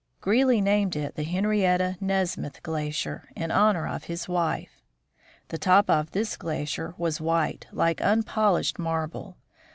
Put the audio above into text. Greely named it the Henrietta Nesmith glacier, in honor of his wife. The top of this glacier was white, like unpolished mar ble.